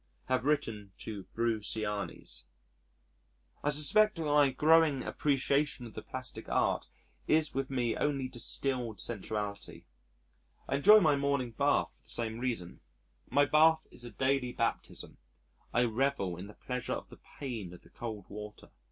Have written to Bruciani's. I suspect that my growing appreciation of the plastic art is with me only distilled sensuality. I enjoy my morning bath for the same reason. My bath is a daily baptism. I revel in the pleasure of the pain of the cold water.